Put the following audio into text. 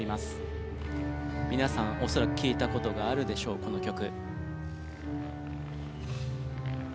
皆さん恐らく聴いた事があるでしょうこの曲。